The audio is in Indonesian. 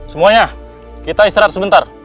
semuanya kita istirahat sebentar